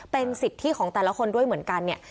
เป็นสิทธิของแต่ละคนด้วยเหมือนกันเนี่ย